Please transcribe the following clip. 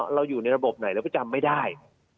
เราอยู่ในระบบไหนเราก็จำไม่ได้